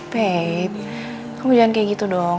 pi kamu jangan kayak gitu dong